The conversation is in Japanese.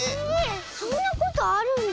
そんなことあるんだ。